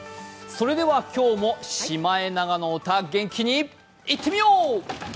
それでは今日も「シマエナガの歌」、元気にいってみよう！